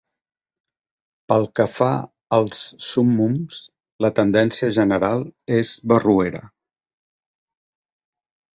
Pel que fa als súmmums, la tendència general és barroera.